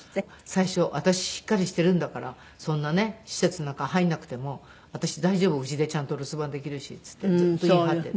最初「私しっかりしているんだからそんなね施設なんか入らなくても私大丈夫家でちゃんと留守番できるし」っていってずっと言い張っていた。